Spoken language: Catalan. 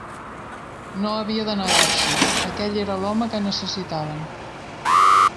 No havia de negar-s'hi: aquell era l'home que necessitaven.